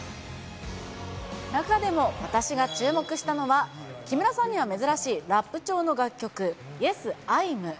中でも、私が注目したのは、木村さんには珍しいラップ調の楽曲、イエス・アイム。